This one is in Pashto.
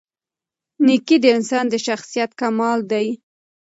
نېکي د انسان د شخصیت کمال دی.